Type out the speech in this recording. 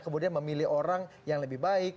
kemudian memilih orang yang lebih baik